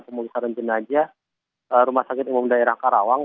pemulih sarun sinaja rumah sakit umum daerah karawang